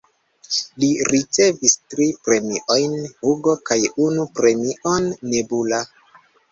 Li ricevis tri premiojn Hugo kaj unu premion Nebula.